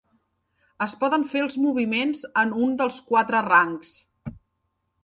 Es poden fer els moviments en un dels quatre rangs.